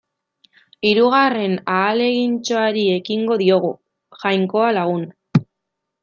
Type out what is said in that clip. Hirugarren ahalegintxoari ekingo diogu, Jainkoa lagun.